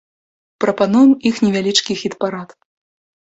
Прапануем іх невялічкі хіт-парад.